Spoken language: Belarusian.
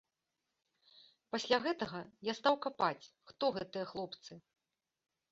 Пасля гэтага я стаў капаць, хто гэтыя хлопцы.